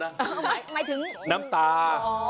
หมายถึงน้ำตา